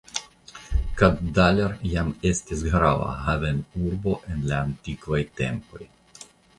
Kaddalor jam estis grava havenurbo en la antikvaj tempoj.